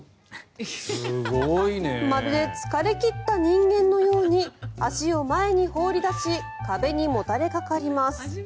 まるで疲れ切った人間のように足を前に放り出し壁にもたれかかります。